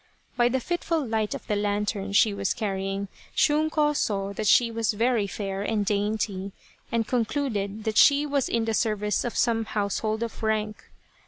By the fitful light of the lantern she was carrying, Shunko saw that she Was very fair and dainty, and concluded that she was in the service of some household of rank.